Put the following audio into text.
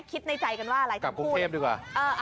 คิดในใจกันว่าอะไรจะพูดอ่าพี่เบิร์ตบอกเลย